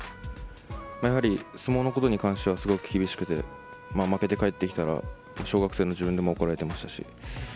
相撲のことに関してはすごく厳しくて負けて帰ってきたら小学生の自分でも怒られていましたし。